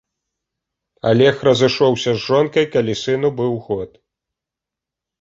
Алег разышоўся з жонкай, калі сыну быў год.